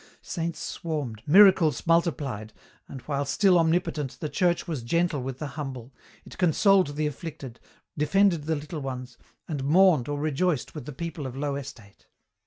Saints swarmed, miracles multiplied, and while still omnipotent the Church was gentle with the humble, it consoled the afflicted, defended the little ones, and mourned or rejoiced with the people of low estate.